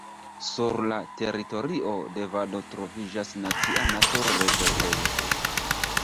Sur la teritorio de valo troviĝas nacia naturrezervejo.